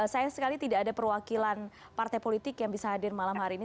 sayang sekali tidak ada perwakilan partai politik yang bisa hadir malam hari ini